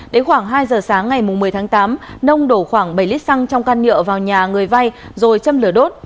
đến khoảng hai giờ sáng ngày một mươi tháng tám nông đổ khoảng bảy lít xăng trong can nhựa vào nhà người vay rồi châm lửa đốt